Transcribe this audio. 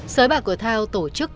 sới bạc của thao tổ chức